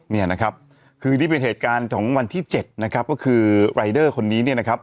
เนี่ยนะครับคือนี่เป็นเหตุการณ์ของวันที่๗นะครับก็คือรายเดอร์คนนี้เนี่ยนะครับ